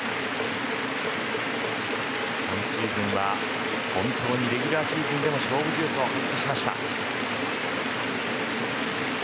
今シーズンは本当にレギュラーシーズンの中で勝負強さを発揮しました。